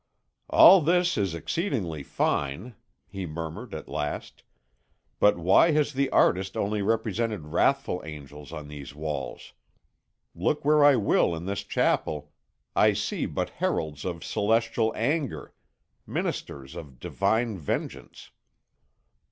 "All this is exceedingly fine," he murmured at last, "but why has the artist only represented wrathful angels on these walls? Look where I will in this chapel, I see but heralds of celestial anger, ministers of divine vengeance.